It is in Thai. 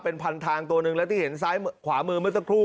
เป็นพันทางตัวหนึ่งแล้วที่เห็นซ้ายขวามือเมื่อสักครู่